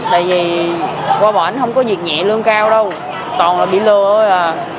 tại vì qua bển không có việc nhẹ lương cao đâu toàn là bị lừa